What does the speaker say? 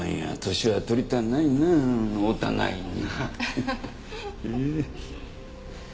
年は取りたないなあお互いに。